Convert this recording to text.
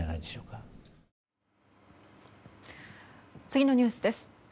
次のニュースです。